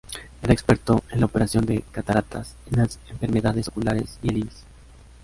Era experto en la operación de cataratas, en las enfermedades oculares y el iris.